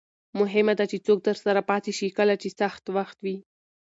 مهمه ده چې څوک درسره پاتې شي کله چې سخت وخت وي.